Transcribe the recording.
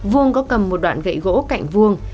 vuông có cầm một đoạn gậy gỗ cạnh vuông